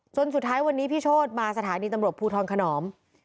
สุดท้ายวันนี้พี่โชธมาสถานีตำรวจภูทรขนอม